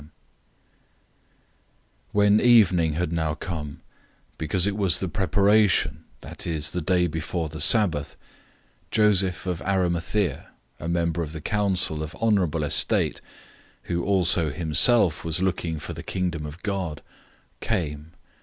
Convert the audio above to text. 015:042 When evening had now come, because it was the Preparation Day, that is, the day before the Sabbath, 015:043 Joseph of Arimathaea, a prominent council member who also himself was looking for the Kingdom of God, came.